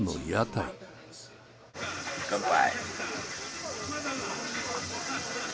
乾杯！